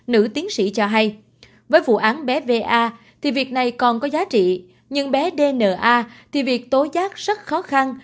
nữ tiến sĩ cho hay với vụ án bé va thì việc này còn có giá trị nhưng bé dna thì việc tối giác rất khó khăn